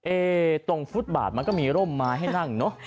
ตรงฟุตบาทมันก็มีร่มไม้ให้นั่งเนอะ